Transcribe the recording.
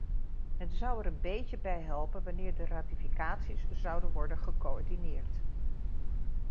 Het zou er een beetje bij helpen wanneer de ratificaties zouden worden gecoördineerd.